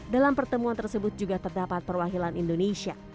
dalam pertemuan tersebut juga terdapat perwakilan indonesia